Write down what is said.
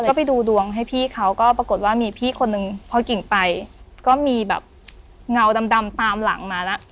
ก็ไปดูดวงให้พี่เขาก็ปรากฏว่ามีพี่คนนึงพอกิ่งไปก็มีแบบเงาดำตามหลังมาแล้ว